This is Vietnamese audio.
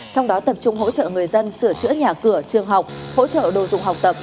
trong đó tập trung hỗ trợ người dân sửa chữa nhà cửa trường học hỗ trợ đồ dùng học tập